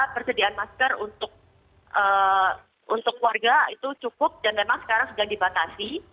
persediaan masker untuk warga itu cukup dan memang sekarang sedang dibatasi